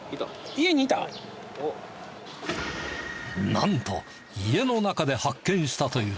なんと家の中で発見したという。